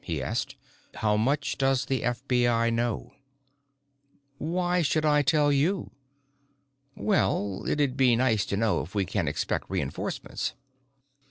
he asked. "How much does the FBI know?" "Why should I tell you?" "Well, it'd be nice to know if we can expect reinforcements."